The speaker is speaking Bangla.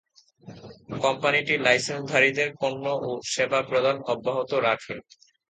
কোম্পানিটি লাইসেন্সধারীদের পণ্য ও সেবা প্রদান অব্যাহত রাখে।